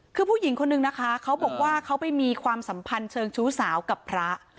คือผู้หญิงคนนึงนะคะเขาบอกว่าเขาไปมีความสัมพันธ์เชิงชู้สาวกับพระ